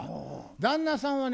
旦那さんはね